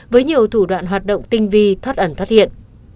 với nhiều thủ đoạn hoạt động tinh vi thoát ẩn thoát hiện